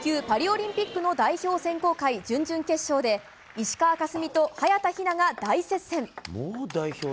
パリオリンピックの代表選考会準々決勝で石川佳純と早田ひなが大接戦。